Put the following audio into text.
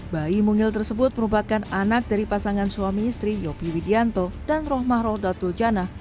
bayi mungil tersebut merupakan anak dari pasangan suami istri yopi widianto dan rohmahroh datul janah